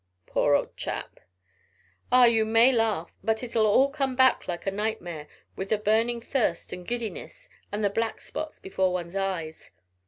"Poor old chap!" "Ah, you may laugh, but it'll all come back like a nightmare, with the burning thirst and giddiness, and the black spots before one's eyes."